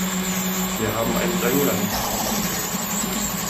Wir haben einen Drängler hinter uns.